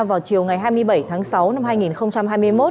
vào chiều ngày hai mươi bảy tháng sáu năm hai nghìn hai mươi một